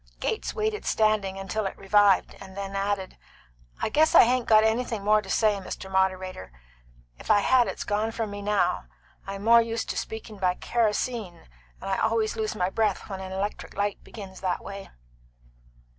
Gates waited, standing, till it revived, and then added: "I guess I hain't got anything more to say, Mr. Moderator. If I had it's gone from me now. I'm more used to speaking by kerosene, and I always lose my breath when an electric light begins that way."